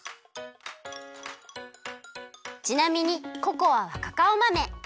ちなみにココアはカカオ豆。